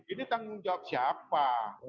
ini tanggung jawab siapa